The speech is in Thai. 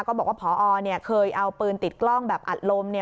ก็บอกว่าผอเนี่ยเคยเอาปืนติดกล้องแบบอัดลมเนี่ย